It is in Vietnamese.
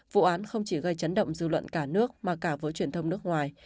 vụ án không chỉ gây chấn động dư luận cả nước mà cả với truyền thông nước ngoài